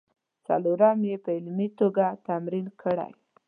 څلورم یې په عملي توګه تمرین کړئ.